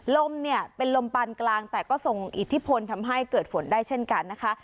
ลมเนี่ยเป็นลมปานกลางแต่ก็ส่งอิทธิพลทำให้เกิดฝนได้เช่นกันนะคะ